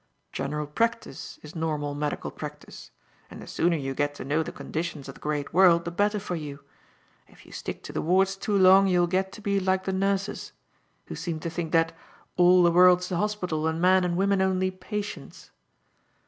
"General practice is normal medical practice, and the sooner you get to know the conditions of the great world the better for you. If you stick to the wards too long you will get to be like the nurses; who seem to think that, "'All the world's a hospital, And men and women only patients.'"